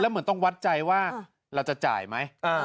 เหมือนต้องวัดใจว่าเราจะจ่ายไหม